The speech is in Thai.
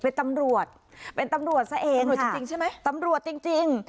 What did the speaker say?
เป็นตำรวจเป็นตำรวจซะเองตำรวจจริงจริงใช่ไหมตำรวจจริงจริง